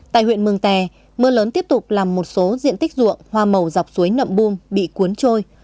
tại huyện mường tè mưa lớn tiếp tục làm một số diện tích ruộng hoa màu dọc suối nậm bùm bị cuốn trôi